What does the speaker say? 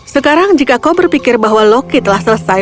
sekarang jika kau berpikir bahwa loki telah selesai